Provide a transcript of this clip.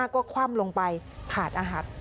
ก็คว่ำลงไปขาดอาหาร